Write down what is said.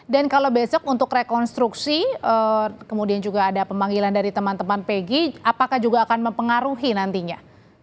dan kalau besok untuk rekonstruksi kemudian juga ada pemanggilan dari teman teman peggy apakah juga akan mempengaruhi nantinya